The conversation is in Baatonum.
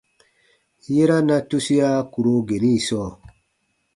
Yera na tusia kùro geni sɔɔ.